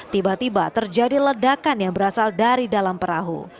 tiba tiba terjadi ledakan yang berasal dari dalam perahu